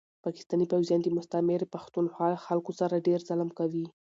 پاکستاني پوځيان دي مستعمري پښتونخوا خلکو سره ډير ظلم کوي